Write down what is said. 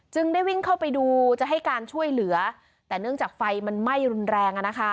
ได้วิ่งเข้าไปดูจะให้การช่วยเหลือแต่เนื่องจากไฟมันไหม้รุนแรง